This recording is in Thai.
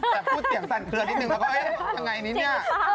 แต่พูดเสียงสั่นเคลือดนิดนึงว่ามันแบบยังไงนี้เนี่ย